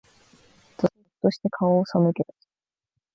ぞっとして、顔を背けた。